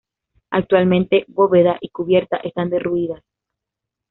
Actualmente, bóveda y cubierta están derruidas.